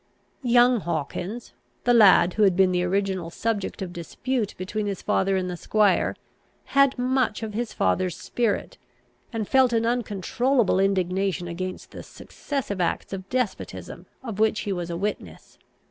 Young Hawkins, the lad who had been the original subject of dispute between his father and the squire, had much of his father's spirit, and felt an uncontrollable indignation against the successive acts of despotism of which he was a witness.